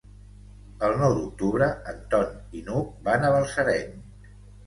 El nou d'octubre en Ton i n'Hug van a Balsareny.